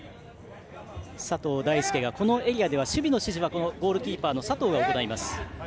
このエリアでは守備の指示をゴールキーパーの佐藤が行います。